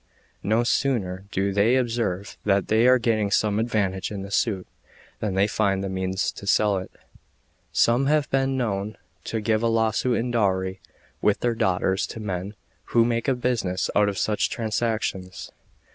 No sooner do they observe that they are getting some advantage in the suit, than they find the means to sell it; some have even been known to give a lawsuit in dowry with their daughters to men who make a business out of such transactions.